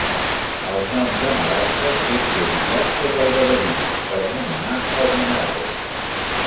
El nom de maragda té prioritat sobre el de beril per anomenar el mineral.